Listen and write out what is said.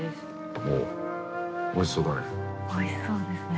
おっおいしそうだね。